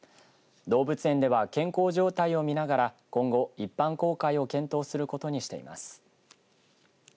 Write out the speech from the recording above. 動物園では健康状態を見ながら、今後一般公開を検討することにしています。